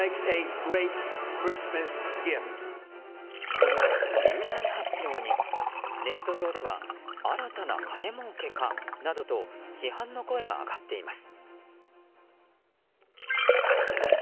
この重大発表にネット上では新たな金もうけかなどと批判の声が上がっています。